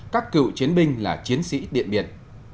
các cựu chiến binh là chiến sĩ điện biên